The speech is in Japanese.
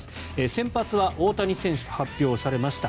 先発は大谷選手と発表されました。